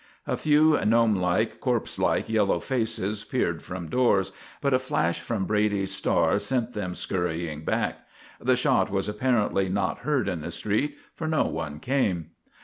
A few gnomelike, corpselike, yellow faces peered from doors, but a flash from Brady's star sent them scurrying back. The shot was apparently not heard in the street, for no one came.